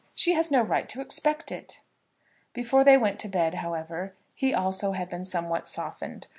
She has no right to expect it." Before they went to bed, however, he also had been somewhat softened.